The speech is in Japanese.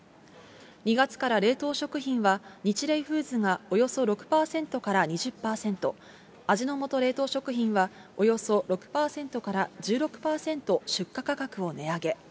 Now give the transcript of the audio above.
２月から冷凍食品はニチレイフーズがおよそ６％から２０％、味の素冷凍食品は、およそ６％から１６％出荷価格を値上げ。